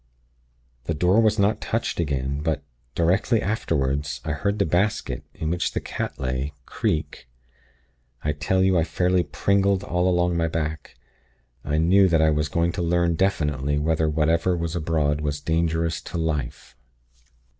"The door was not touched again; but, directly afterward, I heard the basket, in which the cat lay, creak. I tell you, I fairly pringled all along my back. I knew that I was going to learn definitely whether whatever was abroad was dangerous to Life.